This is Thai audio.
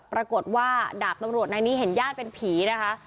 ปรากฏว่าดาบตำรวจนายนี้เห็นญาติเป็นผีนะคะ